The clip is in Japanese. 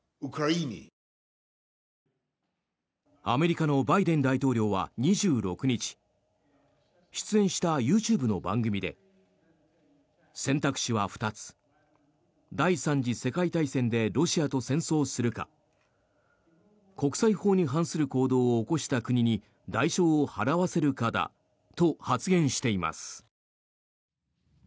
アメリカのバイデン大統領は２６日出演したＹｏｕＴｕｂｅの番組で選択肢は２つ第３次世界大戦でロシアと戦争するか国際法に反する行動を起こした国に代償を払わせるかだと発言しています。